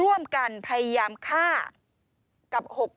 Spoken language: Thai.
ร่วมกันพยายามฆ่ากับ๖๘